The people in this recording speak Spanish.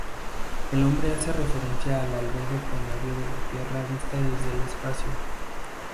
El nombre hace referencia al albedo promedio de la Tierra vista desde el espacio.